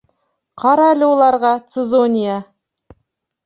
Ҡара ле уларға, Цезония!